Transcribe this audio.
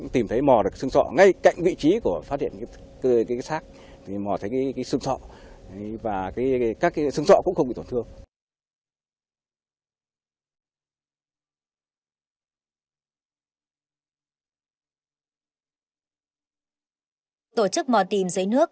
tổ chức mò tìm dưới nước